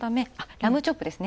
ラムチョップですね。